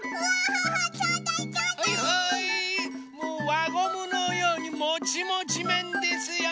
わゴムのようにもちもちめんですよ！